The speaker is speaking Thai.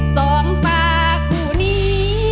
สองปากผู้นี้